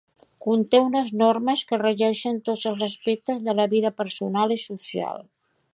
Conté unes normes que regeixen tots els aspectes de la vida personal i social.